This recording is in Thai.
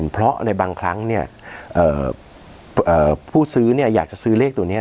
เพราะในบางครั้งเนี่ยผู้ซื้ออยากจะซื้อเลขตัวนี้